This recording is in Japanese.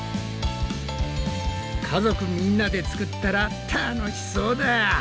家族みんなで作ったら楽しそうだ。